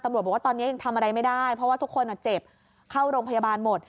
บอกว่าตอนนี้ยังทำอะไรไม่ได้เพราะว่าทุกคนเจ็บเข้าโรงพยาบาลหมด